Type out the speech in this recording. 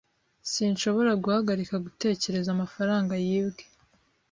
Sinshobora guhagarika gutekereza kumafaranga yibwe.